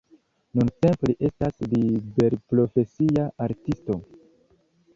Nuntempe li estas liberprofesia artisto.